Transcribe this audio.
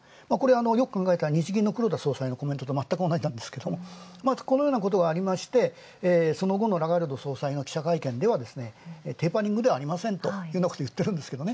よく考えたら日銀の黒田総裁とまったく同じなんですがこのようなことがありまして、その後の総裁の記者会見でテーパリングではありませんと言っているんですけどね。